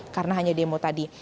karena hanya demo tadi